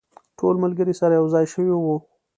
ټول ملګري سره یو ځای شوي وو.